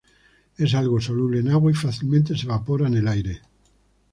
Es algo soluble en agua y fácilmente se evapora en el aire.